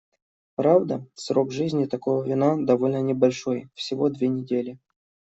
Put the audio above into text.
Правда, срок жизни такого вина довольно небольшой — всего две недели.